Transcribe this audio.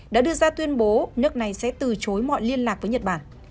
đã đưa ra tuyên bố nước này sẽ từ chối mọi liên lạc với nhật bản